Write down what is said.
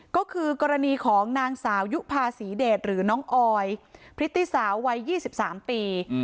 ก็คือกรณีของนางสาวยุภาษีเดชหรือน้องออยพฤติสาววัยยี่สิบสามปีอืม